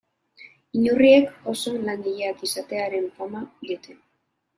Inurriek oso langileak izatearen fama dute.